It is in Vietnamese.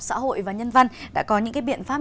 xã hội và nhân văn đã có những biện pháp